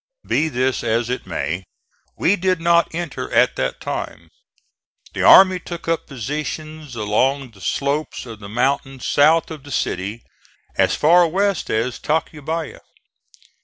Be this as it may, we did not enter at that time. The army took up positions along the slopes of the mountains south of the city, as far west as Tacubaya.